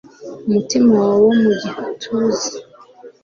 umutima wawe wo mu gituza